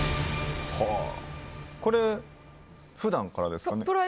これ、普段からですか？